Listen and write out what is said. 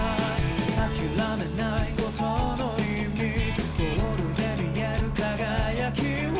「諦めないことの意味」「ゴールで見える輝きを」